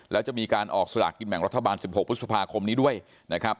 แล้วจะมีการออกสลากกินแบ่งรัฐบาล๑๖พฤษภาคมนี้ด้วยนะครับ